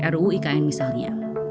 ruu ikn misalnya